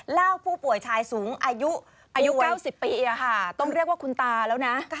ผู้ป่วยชายสูงอายุอายุ๙๐ปีต้องเรียกว่าคุณตาแล้วนะ